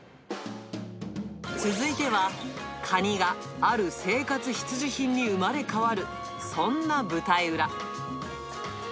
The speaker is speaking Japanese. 続いては、カニがある生活必需品に生まれ変わる、そんな舞台裏。